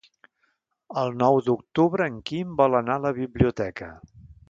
El nou d'octubre en Quim vol anar a la biblioteca.